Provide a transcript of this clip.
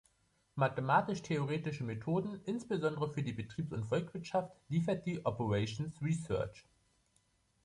Mathematisch-theoretische Methoden, insbesondere für die Betriebs- und Volkswirtschaft, liefert die Operations Research.